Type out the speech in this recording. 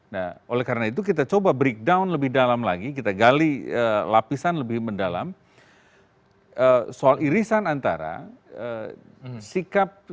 nah oleh karena itu kita coba breakdown lebih dalam lagi kita gali lapisan lebih mendalam soal irisan antara sikap